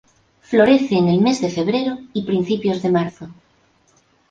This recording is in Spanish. Florece en el mes de febrero y principios de marzo.